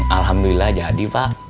alhamdulillah jadi pak